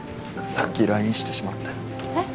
さっきＬＩＮＥしてしまってえっ？